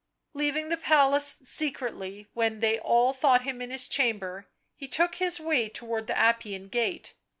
Leaving the palace secretly, when they all thought him in his chamber, he took his way towards the Appian Gate.